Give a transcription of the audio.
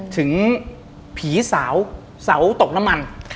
ถึงผีสาวเสาตกน้ำมัน